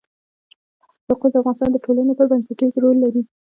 یاقوت د افغانستان د ټولنې لپاره بنسټيز رول لري.